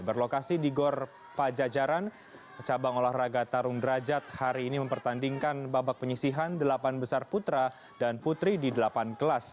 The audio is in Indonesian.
berlokasi di gor pajajaran cabang olahraga tarung derajat hari ini mempertandingkan babak penyisihan delapan besar putra dan putri di delapan kelas